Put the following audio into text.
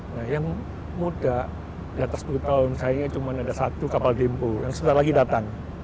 nah yang muda di atas sepuluh tahun saya cuma ada satu kapal dempo yang sebentar lagi datang